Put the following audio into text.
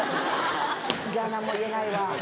じゃあ何も言えないわ。